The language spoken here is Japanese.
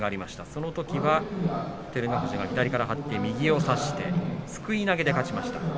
そのとき照ノ富士が左から張って右を差してすくい投げで勝ちました。